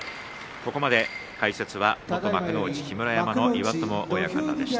ここまで解説は元幕内木村山の岩友親方でした。